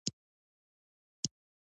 سلیمان غر د خلکو ژوند طرز اغېزمنوي.